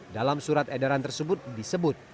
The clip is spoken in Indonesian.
dalam surat edaran tersebut